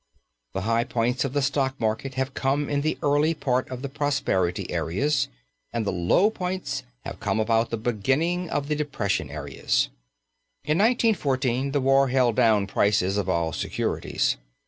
The high points of the stock market have come in the early part of the prosperity areas and the low points have come about the beginning of the depression areas. In 1914 the war held down prices of all securities.